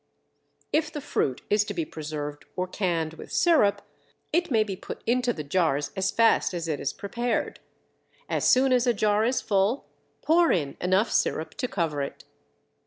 If the fruit is to be preserved or canned with sirup, it may be put into the jars as fast as it is prepared. As soon as a jar is full, pour in enough sirup to cover it.